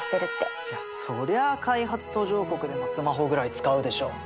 いやそりゃあ開発途上国でもスマホぐらい使うでしょ。